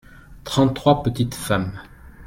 trente trois petites femmes.